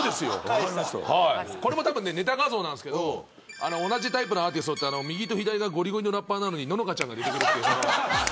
これもネタ画像なんですけど同じタイプのアーティストで右と左がごりごりのラッパーなのにののかちゃんが出てくるという。